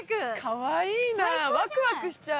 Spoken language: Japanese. かわいいなワクワクしちゃう。